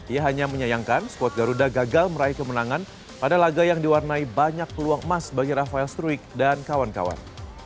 ia hanya menyayangkan skuad garuda gagal meraih kemenangan pada laga yang diwarnai banyak peluang emas bagi rafael struik dan kawan kawan